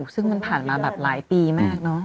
ซึ่งมันผ่านมาแบบหลายปีมากเนอะ